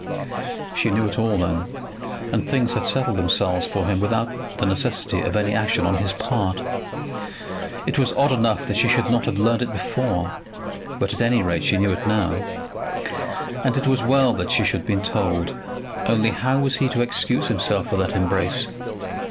She knew it all, then, and things had settled themselves for him without the necessity of any action on his part. It was odd enough that she should not have learned it before, but at any rate she knew it now. And it was well that she should have been told; only how was he to excuse himself for that embrace?